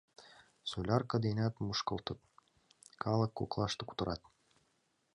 Солярке денат мушкылтат! — калык коклаште кутырат.